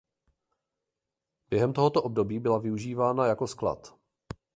Během tohoto období byla využívána jako sklad.